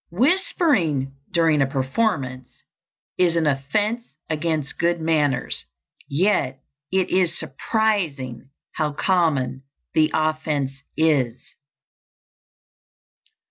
Whispering during a performance is an offence against good manners; yet it is surprising how common the offence is.